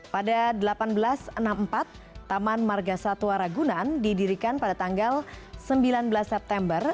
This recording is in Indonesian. pada seribu delapan ratus enam puluh empat taman marga satwa ragunan didirikan pada tanggal sembilan belas september